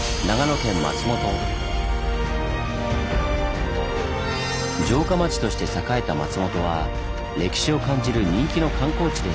城下町として栄えた松本は歴史を感じる人気の観光地です。